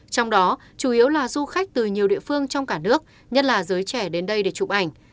trong đó chủ yếu là du khách từ nhiều địa phương trong cả nước nhất là giới trẻ đến đây để chụp ảnh